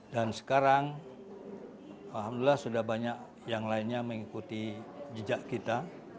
dan sekarang alhamdulillah sudah banyak yang lainnya mengikuti jejak kita